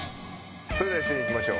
それでは一斉にいきましょう。